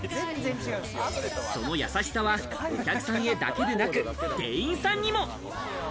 その優しさはお客さんへだけでなく、店員さんにも。